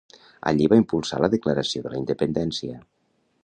Allí va impulsar la declaració de la independència.